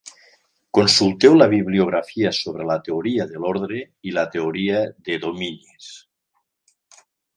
Consulteu la bibliografia sobre la teoria de l'ordre i la teoria de dominis.